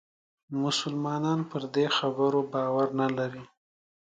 مسلمانان پر دې خبرو باور نه لري.